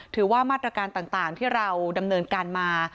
ถือว่ามาตรการต่างที่เราดำเนินการมา